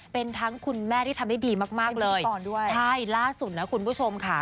เป็นทั้งคุณแม่ที่ทำได้ดีมากมากเลยใช่ล่าสุดนะคุณผู้ชมค่ะ